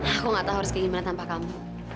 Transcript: aku gak tahu harus kemana mana tanpa kamu